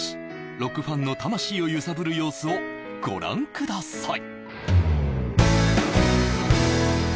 ロックファンの魂を揺さぶる様子をご覧くださいＲＯＣＫＩＮ